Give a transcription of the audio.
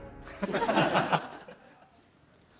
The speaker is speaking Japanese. ハハハハ！